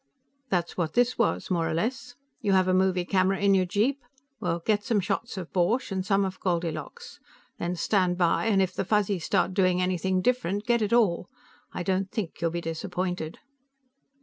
"That's what this was, more or less. You have a movie camera in your jeep? Well, get some shots of Borch, and some of Goldilocks. Then stand by, and if the Fuzzies start doing anything different, get it all. I don't think you'll be disappointed."